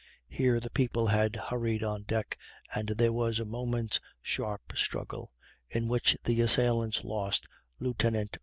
Here the people had hurried on deck, and there was a moment's sharp struggle, in which the assailants lost Lieut.